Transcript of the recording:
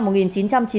trú tại kandan campuchia